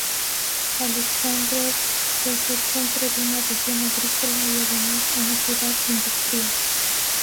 Aleksándrov es el centro de una región agrícola y además una ciudad industrial.